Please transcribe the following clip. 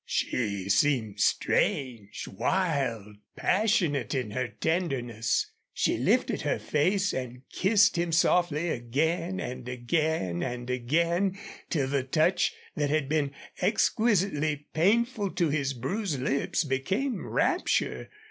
She seemed strange, wild, passionate in her tenderness. She lifted her face and kissed him softly again and again and again, till the touch that had been exquisitely painful to his bruised lips became rapture.